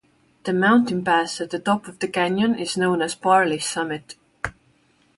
The mountain pass at the top of the canyon is known as Parley's Summit.